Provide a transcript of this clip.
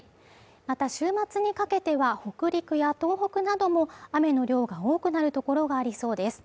また週末にかけては北陸や東北なども雨の量が多くなるところがありそうです。